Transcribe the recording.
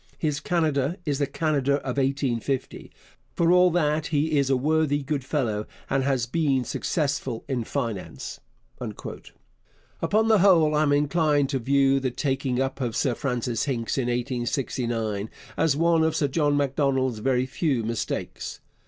His Canada is the Canada of 1850. For all that he is a worthy good fellow and has been successful in finance. Upon the whole, I am inclined to view the taking up of Sir Francis Hincks in 1869 as one of Sir John Macdonald's very few mistakes.